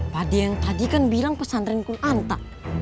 pak d yang tadi kan bilang pesantrenku lanta